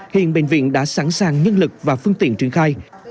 hiện bệnh viện đã sẵn sàng nhân lực và phương tiện triển khai